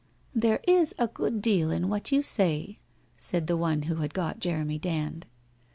*' There is a good deal in what you say,' said the One who had got Jeremy Dand.